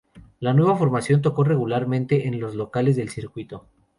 La nueva formación tocó regularmente en los locales del circuito.